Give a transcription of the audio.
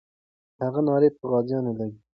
د هغې ناره پر غازیانو لګي.